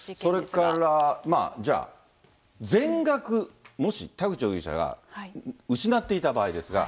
それから、じゃあ、全額、もし田口容疑者が失っていた場合ですが。